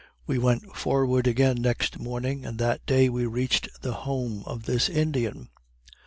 We went forward again next morning, and that day we reached the home of this Indian.